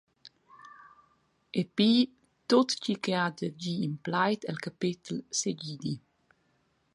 Epi –tut tgi che ha da dir in plaid el capetel, segidi.